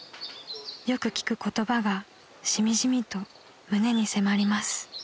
［よく聞く言葉がしみじみと胸に迫ります］